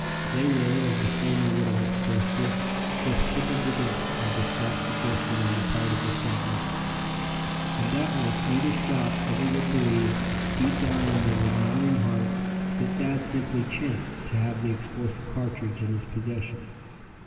They were, as the former would have expressed it, "just tickled to death" by this bright suggestion on the part of the scout leader. And doubtless neither scout ever would believe, deep down in his admiring heart, that Thad simply "chanced" to have the explosive cartridge in his possession.